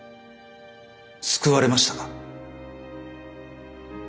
救われましたか？